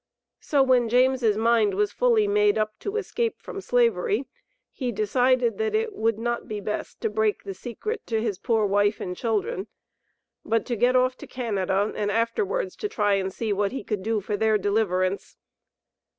So when James' mind was fully made up to escape from Slavery, he decided that it would not be best to break the secret to his poor wife and children, but to get off to Canada, and afterwards to try and see what he could do for their deliverance.